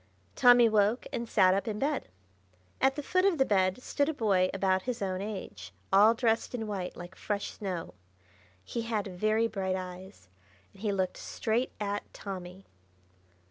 Tommy woke, and sat up in bed. At the foot of the bed stood a boy about his own age, all dressed in white, like fresh snow. He had very bright eyes, and he looked straight at Tommy.